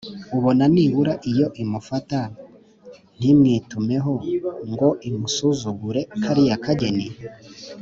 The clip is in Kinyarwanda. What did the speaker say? ubona nibura iyo imufata ntimwitumeho ngo imusuzugure kariya kageni!”